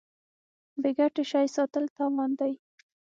بې ګټې شی ساتل تاوان دی.